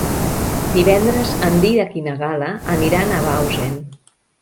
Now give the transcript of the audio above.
Divendres en Dídac i na Gal·la aniran a Bausen.